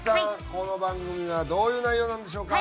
この番組はどういう内容なんでしょうか？